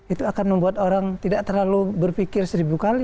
itu akan membuat orang tidak terlalu berpikir seribu kali